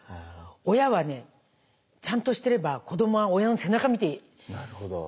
親はねちゃんとしてれば子どもは親の背中見てちゃんと育ちますから。